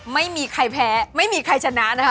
ไม่มีใครแพ้ไม่มีใครชนะนะคะ